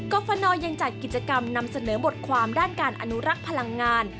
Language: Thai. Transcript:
ฟนยังจัดกิจกรรมนำเสนอบทความด้านการอนุรักษ์พลังงาน